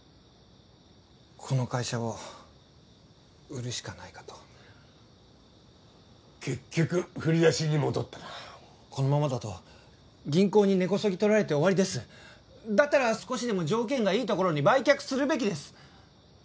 この会社を売るしかないかと結局振り出しに戻ったなこのままだと銀行に根こそぎ取られて終わりですだったら少しでも条件がいい所に売却するべきです